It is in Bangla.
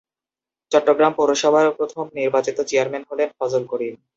চট্টগ্রাম পৌরসভার প্রথম নির্বাচিত চেয়ারম্যান ছিলেন ফজল করিম।